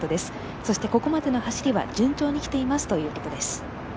そしてここまでの走りは順調にきていますということです。